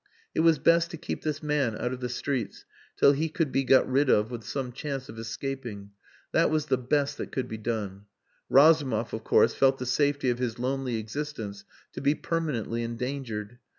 It was best to keep this man out of the streets till he could be got rid of with some chance of escaping. That was the best that could be done. Razumov, of course, felt the safety of his lonely existence to be permanently endangered.